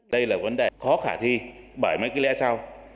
đây là vấn đề khó khả thi bởi mấy cái lẽ sau